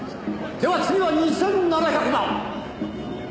「では次は２７００万」